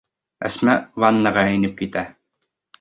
Әсмә ваннаға инеп китә.